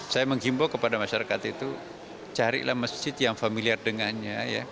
saya menghimbau kepada masyarakat itu carilah masjid yang familiar dengannya